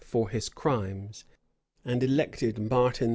for his crimes, and elected Martin V.